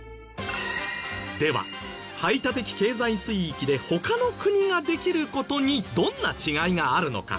では排他的経済水域で他の国ができる事にどんな違いがあるのか？